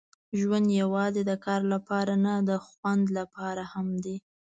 ژوند یوازې د کار لپاره نه، د خوند لپاره هم دی.